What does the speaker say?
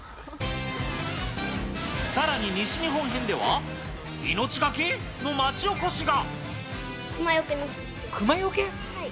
さらに西日本編では、命がけ？の町おこしが。